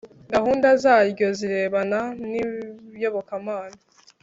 Gahunda zaryo zirebana n iyobokamana